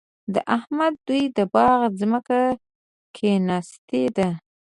د احمد دوی د باغ ځمکه کېنستې ده.